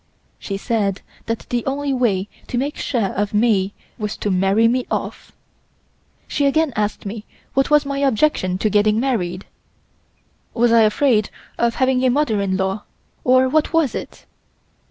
She said that the only way to make sure of me was to marry me off. She again asked me what was my objection to getting married; was I afraid of having a mother in law, or what was it?